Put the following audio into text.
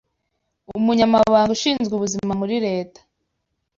Umunyamabanga ushinzwe ubuzima muri Leta